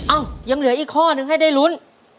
ยังเหลืออีกข้อนึงให้ได้ลุ้น